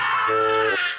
tidak ini siapa